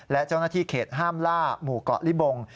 และเจ้าหน้าที่เขตห้ามล่าหมู่เกาะลิบง